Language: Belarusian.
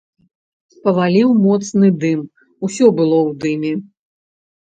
Паваліў моцны дым, усё было ў дыме.